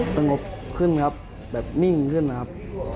สงบขึ้นครับแบบนิ่งขึ้นนะครับ